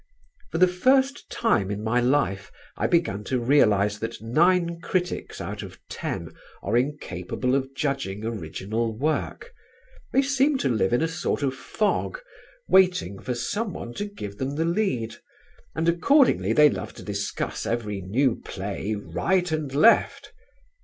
For the first time in my life I began to realise that nine critics out of ten are incapable of judging original work. They seem to live in a sort of fog, waiting for someone to give them the lead, and accordingly they love to discuss every new play right and left.